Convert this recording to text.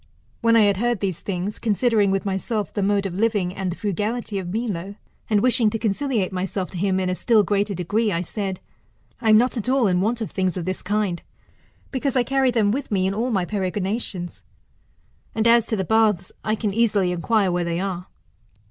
When I had heard these things, considering with myself the mode of living and the frugality of Milo, and wishing to conciliate myself to him in a still greater degree, I said, I am not at all in want of things of this kind, because I carry them with me in all my peregrinations. And as to the baths, I can easilv inquire where they are.